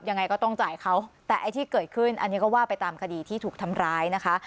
ยังไงก็ต้องจ่ายเขาแต่ไอ้ที่เกิดขึ้นอันนี้ก็ว่าไปตามคดีที่ถูกทำร้ายนะคะ